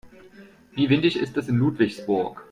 Wie windig ist es in Ludwigsburg?